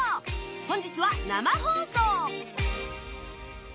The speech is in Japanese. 本日は生放送。